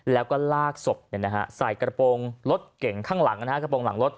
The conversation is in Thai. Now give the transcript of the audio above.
แล้วก็ลากศพใส่กระโปรงรถเก่งข้างหลัง